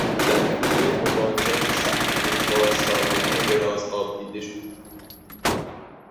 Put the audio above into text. او در کورهٔ مبارزات سخت و دشوار سالیان دراز آبدیده شد